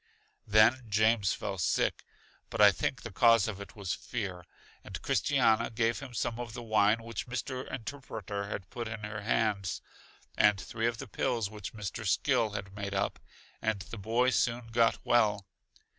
Then James felt sick, but I think the cause of it was fear, and Christiana gave him some of the wine which Mr. Interpreter had put in her hands, and three of the pills which Mr. Skill had made up, and the boy soon got well.